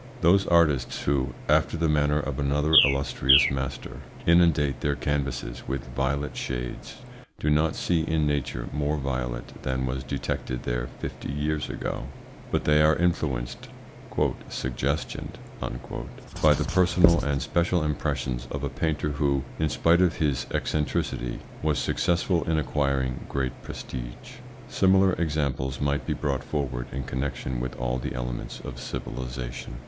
Those artists who, after the manner of another illustrious master, inundate their canvasses with violet shades do not see in nature more violet than was detected there fifty years ago; but they are influenced, "suggestioned," by the personal and special impressions of a painter who, in spite of this eccentricity, was successful in acquiring great prestige. Similar examples might be brought forward in connection with all the elements of civilisation.